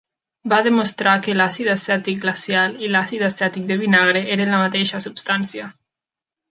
Va demostrar que l'àcid acètic glacial i l'àcid acètic de vinagre eren la mateixa substància.